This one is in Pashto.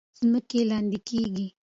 ځمکې لاندې کیږي.